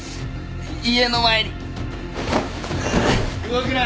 動くな！